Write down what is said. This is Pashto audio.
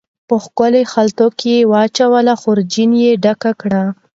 په ښکلو خلطو کې واچولې، خورجین یې ډکه کړه